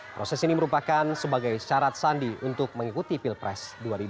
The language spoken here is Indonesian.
proses ini merupakan sebagai syarat sandi untuk mengikuti pilpres dua ribu dua puluh